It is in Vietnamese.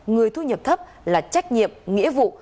người thu nhập thấp là trách nhiệm nghĩa vụ